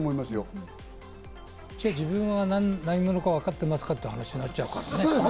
自分は何者か分かってますかって話になっちゃうから。